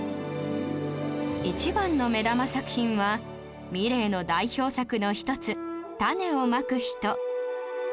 一番の目玉作品はミレーの代表作の一つ『種をまく人』